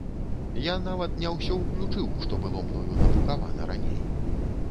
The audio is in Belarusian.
Я нават не ўсё ўключыў, што было мною надрукавана раней.